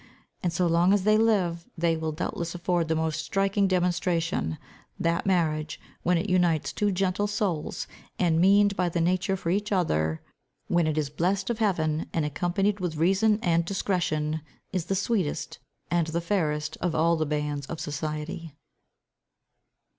And so long as they live, they will doubtless afford the most striking demonstration, that marriage, when it unites two gentle souls, and meaned by nature for each other, when it is blest of heaven, and accompanied with reason and discretion, is the sweetest, and the fairest of all the bands of society.